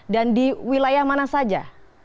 dan di wilayah mana saja